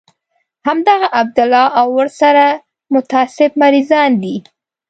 همدغه عبدالله او ورسره متعصب مريضان دي.